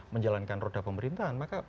menjalankan roda pemerintahan maka